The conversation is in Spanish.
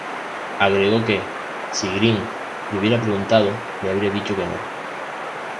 Agregó que, si Green le hubiera preguntado, le habría dicho que no.